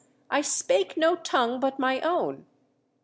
I spake no tongue but my own."